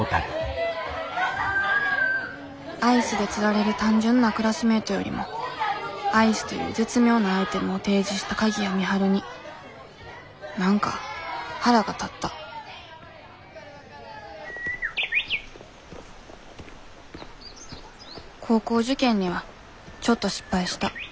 アイスで釣られる単純なクラスメートよりもアイスという絶妙なアイテムを提示した鍵谷美晴に何か腹が立った高校受験にはちょっと失敗した。